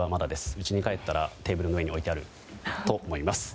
うちに帰ったらテーブルの上に置いてあると思います。